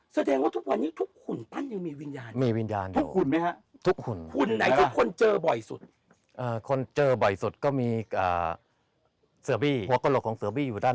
แสดงว่าทุกวันนี้ทุกหุ่นปั้นยังมีวิญญาณ